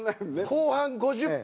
後半５０分